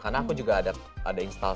karena aku juga ada install software editing